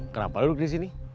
kenapa duduk di sini